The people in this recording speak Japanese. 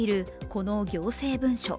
この行政文書。